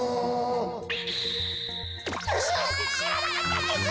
うわ！ししらなかったんです！